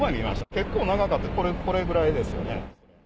結構長かった、これぐらいですよね。